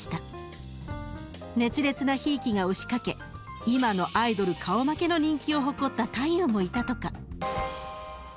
熱烈なひいきが押しかけ今のアイドル顔負けの人気を誇った太夫もいたとか。